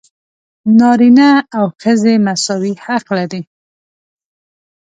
نارینه او ښځې مساوي حق لري.